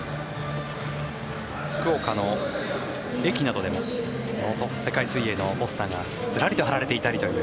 福岡の駅などでも世界水泳のポスターがずらりと貼られていたりという。